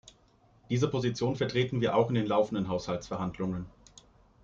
Diese Position vertreten wir auch in den laufenden Haushaltsverhandlungen.